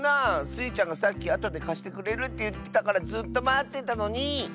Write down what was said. スイちゃんがさっきあとでかしてくれるっていってたからずっとまってたのに！